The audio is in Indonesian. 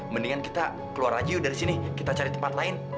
mendingan kita keluar lagi dari sini kita cari tempat lain